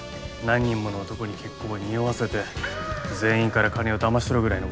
何人もの男に結婚を匂わせて全員から金をだまし取るぐらいのことしないと。